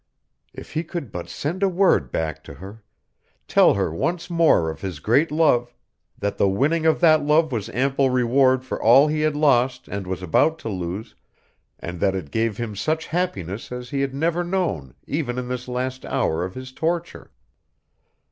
If he could but send a word back to her, tell her once more of his great love that the winning of that love was ample reward for all that he had lost and was about to lose, and that it gave him such happiness as he had never known even in this last hour of his torture!